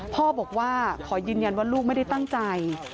พ่อบอกว่าขอยืนยันว่าลูกไม่ได้ตั้งใจ